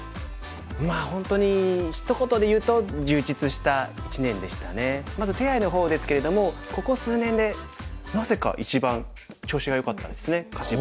まあ本当にひと言でいうとまず手合の方ですけれどもここ数年でなぜか一番調子がよかったですね勝ち星が。